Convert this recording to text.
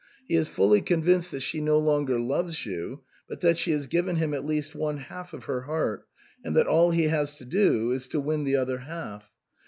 He is fully convinced that she no longer loves you, but that she has given him at least one half of her heart, and that all he has to do is to win the other half.